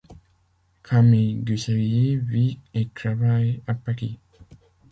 Camille Ducellier vit et travaille à Paris.